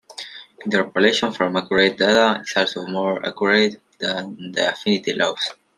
Interpolation from accurate data is also more accurate than the affinity laws.